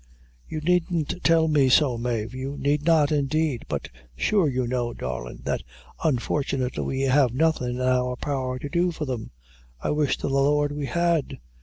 "You needn't tell me so, Mave; you need not, indeed; but sure you know, darlin', that unfortunately, we have nothing in our power to do for them; I wish to the Lord we had!